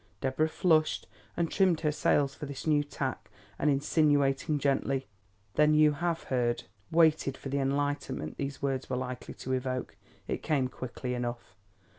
Deborah flushed and trimmed her sails for this new tack, and insinuating gently, "Then you have heard " waited for the enlightenment these words were likely to evoke. It came quickly enough.